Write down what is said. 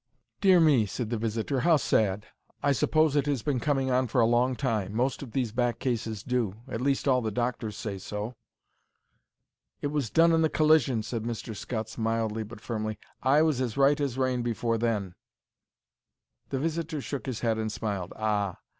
"Dear me," said the visitor; "how sad! I suppose it has been coming on for a long time. Most of these back cases do. At least all the doctors say so." "It was done in the collision," said Mr. Scutts, mildly but firmly. "I was as right as rain before then." The visitor shook his head and smiled. "Ah!